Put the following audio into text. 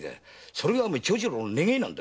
それが長次郎の願いなんだ。